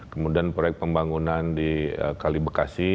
kemudian proyek pembangunan di kali bekasi